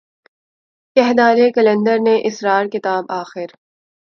کہہ ڈالے قلندر نے اسرار کتاب آخر